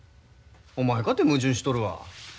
お前かて矛盾しとるわ。